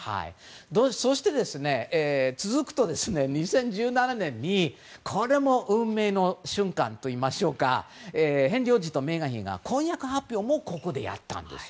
そして、２０１７年にはこれも運命の瞬間というかヘンリー王子とメーガン妃が婚約発表もここでやったんです。